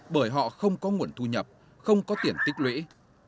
bởi họ không có nguồn thu nhập không có tiền tích lũy